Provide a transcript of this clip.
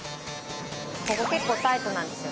ここ結構タイトなんですよ。